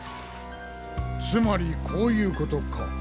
つまりこういうことか？